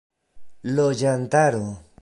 loĝantaro